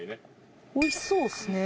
おいしそうですね。